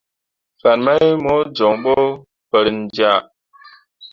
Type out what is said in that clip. Fan mai mo jon ɓo farenjẽa.